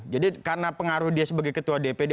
jadi karena pengaruh dia sebagai ketua dpd